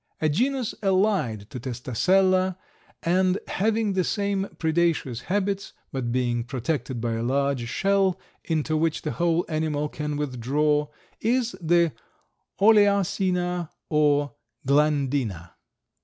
A genus allied to Testacella, and having the same predaceous habits, but being protected by a large shell into which the whole animal can withdraw, is the Oleacina or Glandina.